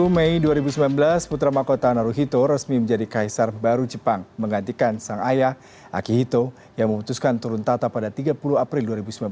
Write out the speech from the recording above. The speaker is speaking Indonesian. dua puluh mei dua ribu sembilan belas putra makota naruhito resmi menjadi kaisar baru jepang menggantikan sang ayah akihito yang memutuskan turun tata pada tiga puluh april dua ribu sembilan belas